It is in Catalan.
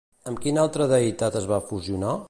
Amb quina altra deïtat es va fusionar?